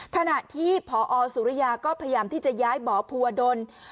ขณะที่พอสุริยาก็พยายามที่จะย้ายหมอภูวดล